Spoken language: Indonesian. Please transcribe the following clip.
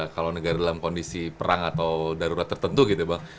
kalau negara dalam kondisi perang atau darurat tertentu gitu bang